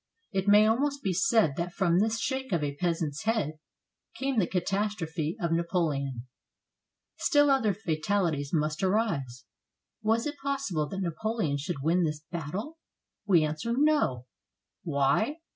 It may almost be said that from this shake of a peasant's head came the catastrophe of Napoleon, Still other fatalities must arise. Was it possible that Napoleon should win this battle? We answer — no! Why?